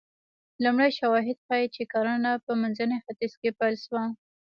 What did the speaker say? لومړي شواهد ښيي چې کرنه په منځني ختیځ کې پیل شوه